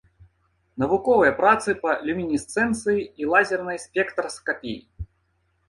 Навуковыя працы па люмінесцэнцыі і лазернай спектраскапіі.